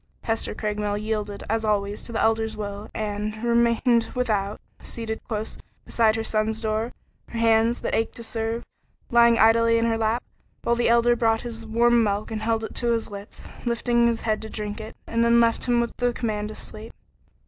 Hester Craigmile yielded, as always, to the Elder's will, and remained without, seated close beside her son's door, her hands, that ached to serve, lying idle in her lap, while the Elder brought him his warm milk and held it to his lips, lifting his head to drink it, and then left him with the command to sleep.